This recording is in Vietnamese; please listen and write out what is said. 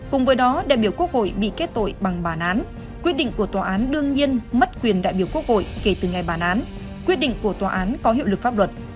cùng với đó đại biểu quốc hội bị kết tội bằng bản án quyết định của tòa án đương nhiên mất quyền đại biểu quốc hội kể từ ngày bản án quyết định của tòa án có hiệu lực pháp luật